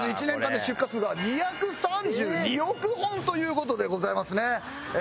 １年間の出荷数が２３２億本という事でございますね。